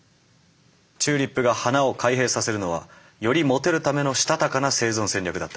チューリップが花を開閉させるのはよりモテるためのしたたかな生存戦略だったんです。